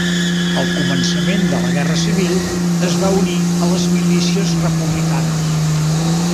Al començament de la Guerra civil es va unir a les milícies republicanes.